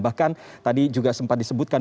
bahkan tadi juga sempat disebutkan